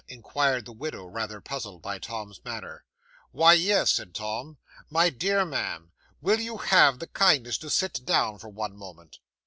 inquired the widow, rather puzzled by Tom's manner. '"Why, yes," said Tom. "My dear ma'am, will you have the kindness to sit down for one moment?"